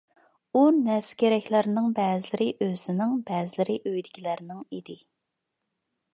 ئۇ نەرسە كېرەكلەرنىڭ بەزىلىرى ئۆزىنىڭ، بەزىلىرى ئۆيىدىكىلەرنىڭ ئىدى.